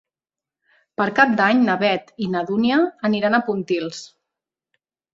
Per Cap d'Any na Beth i na Dúnia aniran a Pontils.